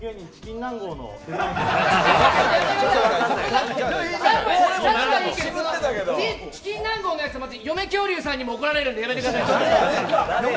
チキンナンゴーのやつヨメキョウリュウさんにも怒られるのでやめてください。